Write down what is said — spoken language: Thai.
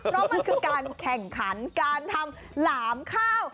เพราะมันคือการแข่งขันการทำหลามข้าว